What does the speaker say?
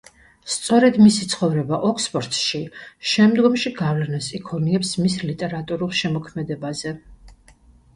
სწორედ მისი ცხოვრება ოქსფორდში შემდგომში გავლენას იქონიებს მის ლიტერატურულ შემოქმედებაზე.